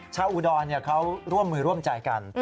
อุดรเขาร่วมมือร่วมใจกัน